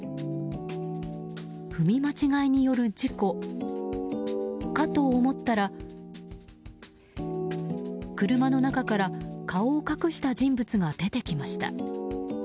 踏み間違いによる事故かと思ったら車の中から顔を隠した人物が出てきました。